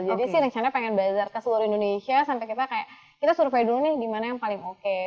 sih rencana pengen bazar ke seluruh indonesia sampai kita kayak kita survei dulu nih di mana yang paling oke